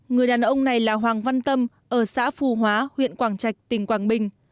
người đàn ông này là hoàng văn tâm ở xã phù hóa huyện quảng trạch tỉnh quảng bình